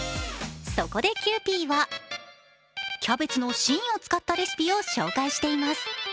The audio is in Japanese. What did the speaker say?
そこでキユーピーは、キャベツの芯を使ったレシピを紹介しています。